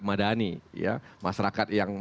madani masyarakat yang